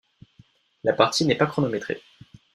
La partie n’est pas chronométrée.